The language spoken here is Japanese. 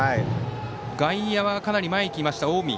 外野はかなり前に来た近江。